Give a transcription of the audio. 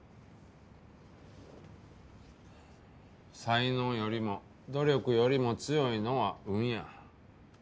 才能よりも努力よりも強いのは運や。